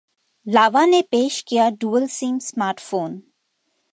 लावा ने पेश किया डुअल सिम स्मार्टफोन